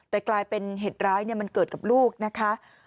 แต่กลายเป็นเหตุร้ายมันเกิดกับลูกนะคะ